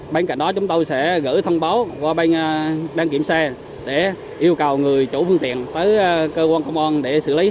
bên cạnh đó chúng tôi sẽ gửi thông báo qua bên đăng kiểm xe để yêu cầu người chủ phương tiện tới cơ quan công an để xử lý